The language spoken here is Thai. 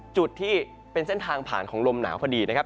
จุดที่เป็นเส้นทางผ่านของลมหนาวพอดีนะครับ